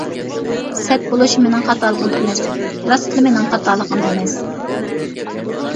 سەت بولۇش مېنىڭ خاتالىقىم ئەمەس، راستلا مېنىڭ خاتالىقىم ئەمەس.